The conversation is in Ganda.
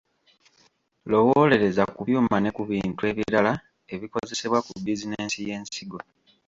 Lowoolereza ku byuma n’ekubintu ebirala ebikozesebwa ku bizinensi y’ensigo.